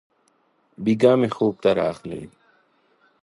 بېګاه مي خوب ته راغلې!